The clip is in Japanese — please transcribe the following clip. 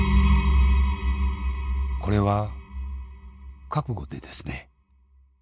「これは覚悟でですね